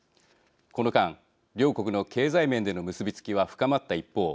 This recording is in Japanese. この間両国の経済面での結び付きは深まった一方